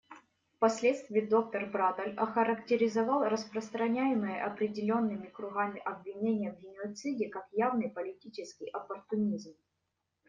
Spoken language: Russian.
Впоследствии доктор Брадоль охарактеризовал распространяемые определенными кругами обвинения в геноциде как «явный политический оппортунизм».